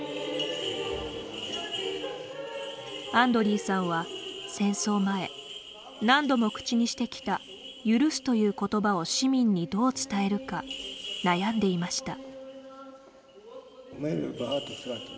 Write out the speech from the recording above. アンドリーさんは戦争前、何度も口にしてきた「ゆるす」という言葉を市民にどう伝えるか悩んでいました。